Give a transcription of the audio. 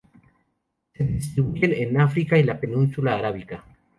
Se distribuyen en África y la Península Arábica.